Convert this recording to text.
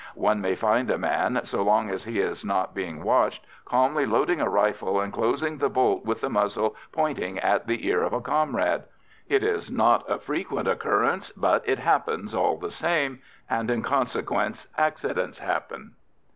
One may find a man, so long as he is not being watched, calmly loading a rifle and closing the bolt with the muzzle pointed at the ear of a comrade; it is not a frequent occurrence, but it happens, all the same. And, in consequence, accidents happen.